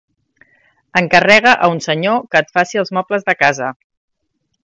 Encarrega a un senyor que et faci els mobles de casa.